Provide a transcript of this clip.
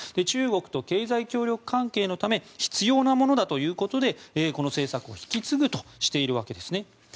中国と経済協力関係のため必要なものだということでこの政策を引き継ぐとしているわけですね。